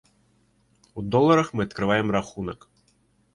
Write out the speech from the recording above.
У доларах мы адкрываем рахунак.